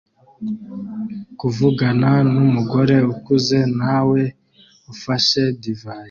kuvugana numugore ukuze nawe ufashe divayi